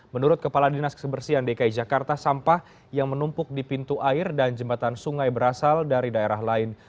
menurut kepala dinas kebersihan dki jakarta sampah yang menumpuk di pintu air dan jembatan sungai berasal dari daerah lain